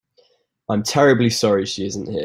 I'm terribly sorry she isn't here.